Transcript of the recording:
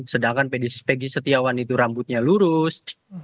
sedangkan pegi setiawan itu rambutnya lurus